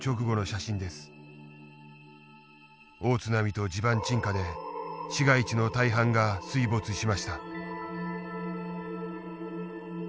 大津波と地盤沈下で市街地の大半が水没しました。